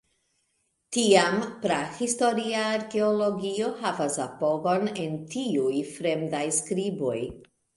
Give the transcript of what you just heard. Tiam, prahistoria arkeologio havas apogon en tiuj fremdaj skriboj.